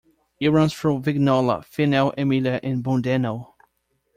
It runs through Vignola, Finale Emilia and Bondeno.